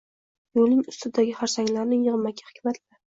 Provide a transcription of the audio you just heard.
Yoʻlning ustindagi xarsanglarni yigʻmakda hikmat-la